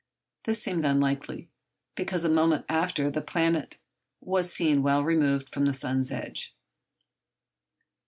This seemed unlikely, because a moment after the planet was seen well removed from the sun's edge.